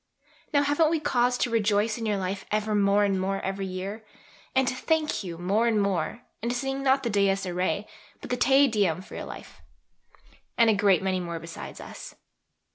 Now, haven't we cause to rejoice in your life ever more and more every year, and to thank you more and more, and to sing not the Dies Iræ but the Te Deum for your life. And a great many more besides us.